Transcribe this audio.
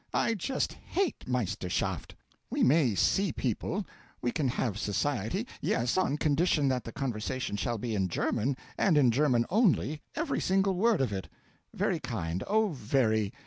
I just hate Meisterschaft! We may see people; we can have society; yes, on condition that the conversation shall be in German, and in German only every single word of it! Very kind oh, very!